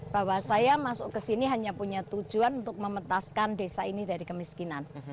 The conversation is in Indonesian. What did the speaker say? bahwa saya masuk ke sini hanya punya tujuan untuk memetaskan desa ini dari kemiskinan